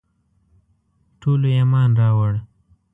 ټولو ایمان راووړ.